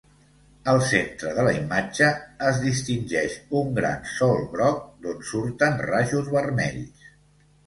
Al centre de la imatge, es distingeix un gran sol groc, d'on surten rajos vermells.